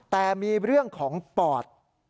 แต่มีเรื่องของปอด